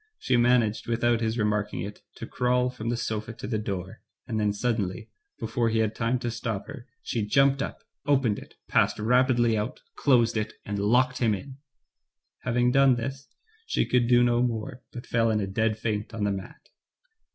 She managed, without his remarking it, to crawl from the sofa to the door, and then suddenly, before he had time to stop her, she jumped up, opened it, passed rapidly out, closed it, and locked him in. Having done this, she could do no more, but fell in a dead faint on the mat.